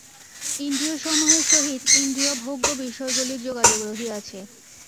ইন্দ্রিয়সমূহের সহিত ইন্দ্রিয়ভোগ্য বিষয়গুলির যোগাযোগ রহিয়াছে।